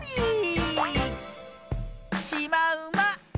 しまうま。